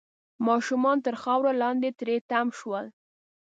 ماشومان تر خاورو لاندې تري تم شول